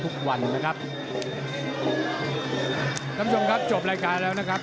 ขอบคุณครับจบรายการแล้วนะครับ